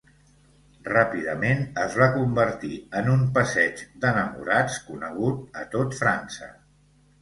Ràpidament es va convertir en un passeig d'enamorats conegut a tot França.